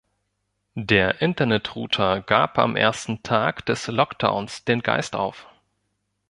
Der Internet-Router gab am ersten Tag des Lockdowns den Geist auf.